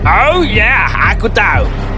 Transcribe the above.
oh ya aku tahu